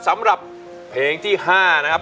สำหรับเพลงที่๕นะครับ